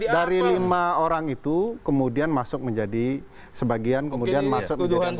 dari lima orang itu kemudian masuk menjadi sebagian kemudian masuk menjadi anggota